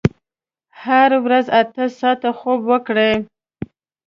هره ورځ اته ساعته خوب وکړئ.